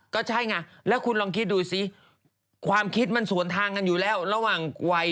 ก็ใช่ไงแล้วคุณลองคิดดูสิความคิดมันสวนทางกันอยู่แล้วระหว่างวัย